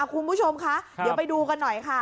คุณผู้ชมคะเดี๋ยวไปดูกันหน่อยค่ะ